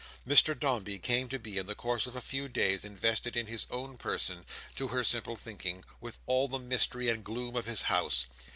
Mr Dombey came to be, in the course of a few days, invested in his own person, to her simple thinking, with all the mystery and gloom of his house.